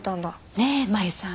ねえ麻由さん。